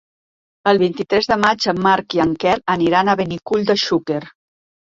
El vint-i-tres de maig en Marc i en Quer aniran a Benicull de Xúquer.